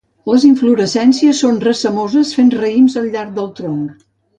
Les inflorescències són racemoses fent raïms al llarg del tronc.